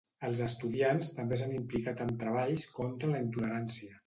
Els estudiants també s'han implicat amb treballs contra la intolerància.